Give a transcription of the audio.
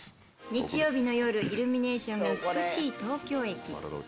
日曜日の夜、イルミネーションが美しい東京駅。